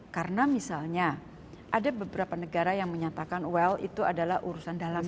karena misalnya ada beberapa negara yang menyatakan well itu adalah urusan dalam negeri